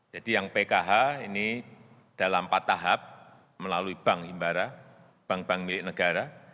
jadi yang pkh ini dalam empat tahap melalui bank himbara bank bank milik negara